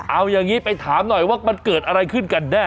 เอาอย่างนี้ไปถามหน่อยว่ามันเกิดอะไรขึ้นกันแน่